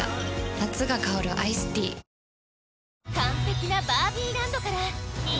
夏が香るアイスティーおや？